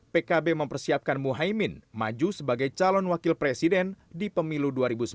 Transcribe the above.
pkb mempersiapkan muhaymin maju sebagai calon wakil presiden di pemilu dua ribu sembilan belas